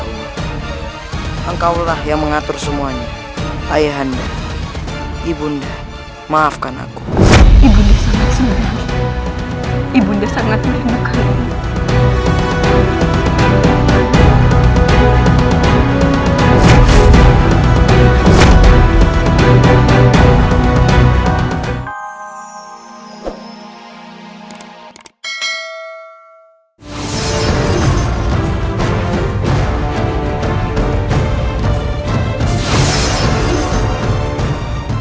allah engkaulah yang mengatur semuanya ayah anda ibunda maafkan aku ibunda sangat menyenangkan